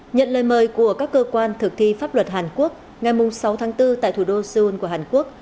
nhận lời mời của các cơ quan thực thi pháp luật hàn quốc ngày sáu tháng bốn tại thủ đô seoul của hàn quốc